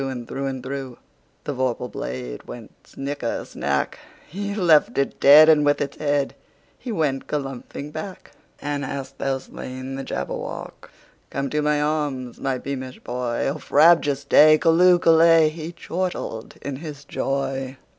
And through and throughThe vorpal blade went snicker snack! He left it dead, and with its headHe went galumphing back."And hast thou slain the Jabberwock? Come to my arms, my beamish boy!O frabjous day! Callooh! Callay!"He chortled in his joy.